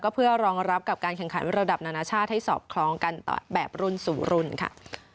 เพื่อรองรับกับการแข่งขันระดับนานาชาติให้สอดคล้องกันแบบรุ่นสู่รุ่นค่ะ